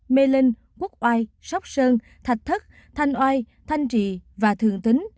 mê linh quốc oai sóc sơn thạch thất thanh oai thanh trị và thường tín